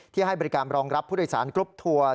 ให้บริการรองรับผู้โดยสารกรุ๊ปทัวร์